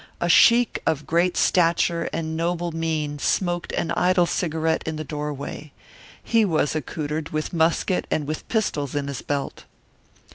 A sheik of great stature and noble mien smoked an idle cigarette in the doorway. He was accoutred with musket and with pistols in his belt.